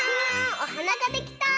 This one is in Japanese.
おはなができた！